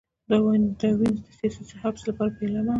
دا د وینز د سیاسي حبس لپاره پیلامه وه